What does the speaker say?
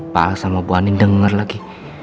pak alas sama bu anin denger lagi